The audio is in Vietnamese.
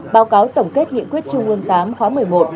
báo cáo tổng kết nghị quyết trung ương viii khóa một mươi một